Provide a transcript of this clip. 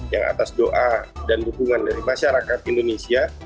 yang atas doa dan dukungan dari masyarakat indonesia